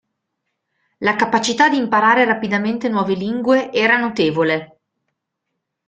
La capacità di imparare rapidamente nuove lingue era notevole.